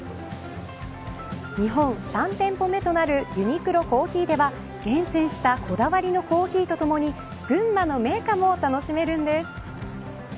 日本３店舗目となるＵＮＩＱＬＯＣＯＦＦＥＥでは厳選したこだわりのコーヒーとともに群馬の銘菓も楽しめるんです。